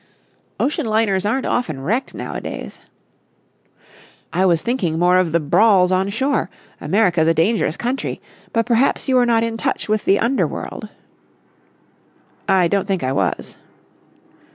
"Ocean liners aren't often wrecked nowadays." "I was thinking more of the brawls on shore. America's a dangerous country. But perhaps you were not in touch with the underworld?" "I don't think I was."